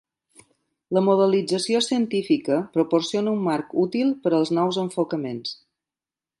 La modelització científica proporciona un marc útil per als nous enfocaments.